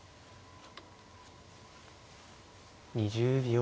２０秒。